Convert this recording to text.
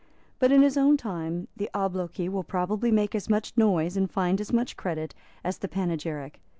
But in his own time the obloquy will probably make as much noise and find as much credit as the panegyric.